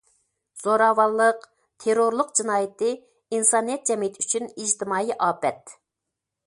زوراۋانلىق، تېررورلۇق جىنايىتى ئىنسانىيەت جەمئىيىتى ئۈچۈن ئىجتىمائىي ئاپەت.